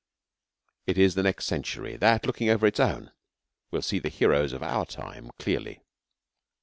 It is the next century that, looking over its own, will see the heroes of our time clearly.